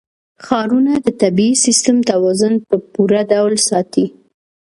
ښارونه د طبعي سیسټم توازن په پوره ډول ساتي.